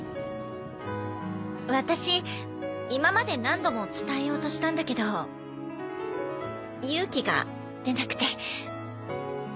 ワタシ今まで何度も伝えようとしたんだけど勇気が出なくて。